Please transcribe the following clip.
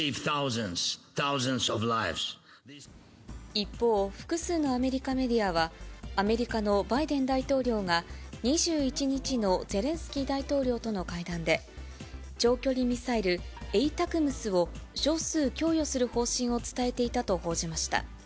一方、複数のアメリカメディアは、アメリカのバイデン大統領が２１日のゼレンスキー大統領との会談で、長距離ミサイル、エイタクムスを少数供与する方針を伝えていたと報じました。